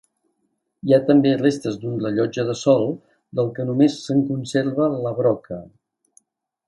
Hi ha també restes d'un rellotge de sol, del que només se'n conserva la broca.